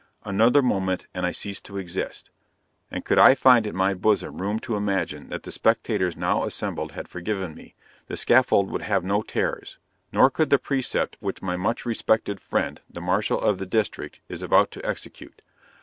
Another moment, and I cease to exist and could I find in my bosom room to imagine that the spectators now assembled had forgiven me, the scaffold would have no terrors, nor could the precept which my much respected friend, the marshal of the district, is about to execute.